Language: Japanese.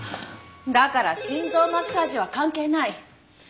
だから心臓マッサージは関係ない。